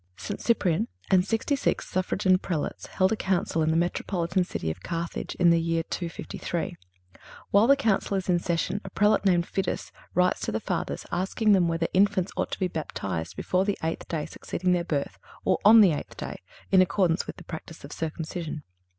St. Cyprian and sixty six suffragan Prelates held a council in the metropolitan city of Carthage, in the year 253. While the Council is in session a Prelate named Fidus writes to the Fathers, asking them whether infants ought to be baptized before the eighth day succeeding their birth, or on the eighth day, in accordance with the practice of circumcision.